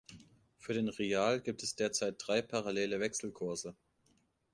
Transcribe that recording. Für den Rial gibt es derzeit drei parallele Wechselkurse.